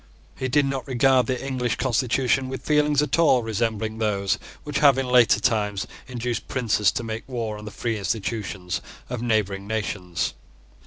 He did not regard the English constitution with feelings at all resembling those which have in later times induced princes to make war on the free institutions of neighbouring nations.